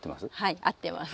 はい合ってます。